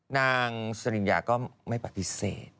นางสริญญาก็ไม่ปฏิเสธ